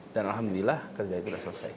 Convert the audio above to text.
alhamdulillah kerja itu sudah selesai